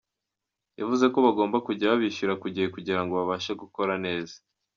Yavuze ko bagomba kujya babishyurira ku gihe kugira ngo babashe gukora neza.